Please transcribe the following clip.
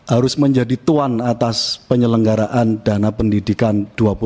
harus menjadi tuan atas penyelenggaraan dana pendidikan dua ribu dua puluh